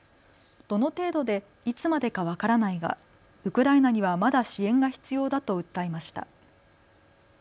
どの程度でいつまでか分からないがウクライナにはまだ支援が必要だと訴えました。